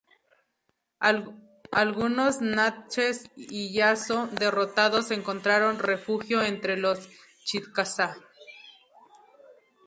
Algunos natchez y yazoo derrotados encontraron refugio entre los chickasaw.